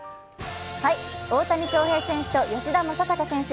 大谷翔平選手と吉田正尚選手。